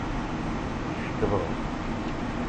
Cekḍeɣ.